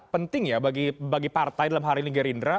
penting ya bagi partai dalam hari negeri indra